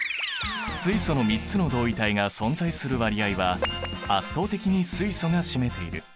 水素の３つの同位体が存在する割合は圧倒的に水素が占めている。